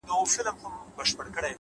علم د انسان د شخصیت جوړوونکی دی’